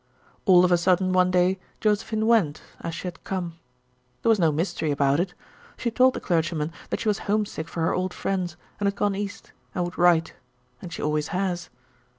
All of a sudden, one day, Josephine went, as she had come. There was no mystery about it. She told the clergyman that she was homesick for her old friends, and had gone east, and would write, and she always has.